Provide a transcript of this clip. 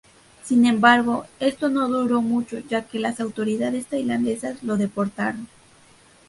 Sin embargo, esto no duró mucho, ya que las autoridades tailandesas lo deportaron.